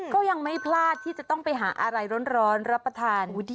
ก็ยังไม่พลาดที่จะต้องไปหาอะไรร้อนรับประทาน